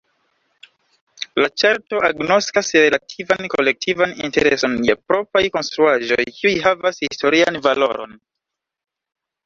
La ĉarto agnoskas relativan kolektivan intereson je propraj konstruaĵoj, kiuj havas historian valoron.